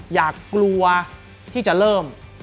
อยากกลัวที่จะเริ่ม